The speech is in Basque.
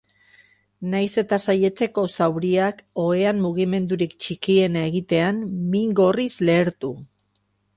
Nahiz eta saihetseko zauriak ohean mugimendurik txikiena egitean min gorriz lehertu.